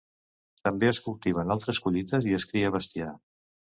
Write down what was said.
També es cultiven altres collites i es cria bestiar.